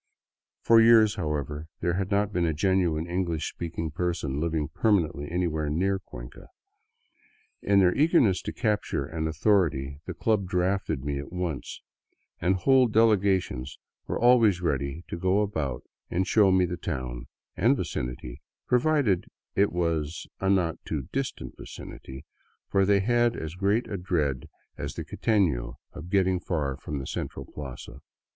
IQ2 THROUGH SOUTHERN ECUADOR For years, however, there had not been a genuine English speak ing person living permanently anywhere near Cuenca. In their eager ness to capture an authority the club drafted me at once, and whole delegations were always ready to go about and show me the town and vicinity — provided it was a not too distant vicinity, for they had as great a dread as the quiteiio of getting far from the central plaza.